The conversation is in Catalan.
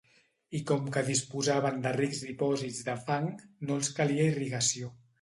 I com que disposaven de rics dipòsits de fang, no els calia irrigació.